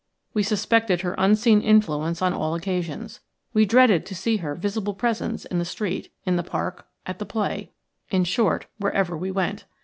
We suspected her unseen influence on all occasions. We dreaded to see her visible presence in the street, in the Park, at the play – in short, wherever we went.